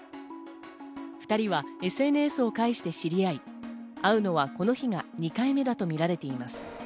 ２人はＳＮＳを介して知り合い、会うのはこの日が２回目だとみられています。